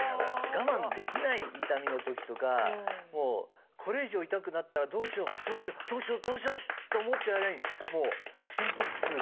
我慢できない痛みの時とかこれ以上痛くなったらどうしようどうしようどうしようどうしようって思ってる間に心拍数が上がっちゃって